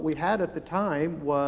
tapi pada saat itu